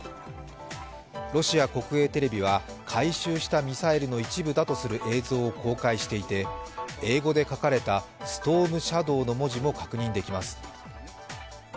ロシア国営テレビは回収したミサイルの一部だとする映像を公開していて英語で書かれた「ストームシャドー」の文字も確認できます。